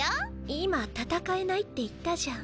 今「戦えない」って言ったじゃん。